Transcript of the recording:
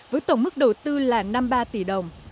với tổng mức đầu tư là năm mươi ba tỷ đồng